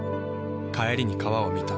帰りに川を見た。